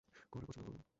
করা পছন্দ করব।